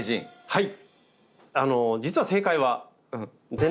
はい。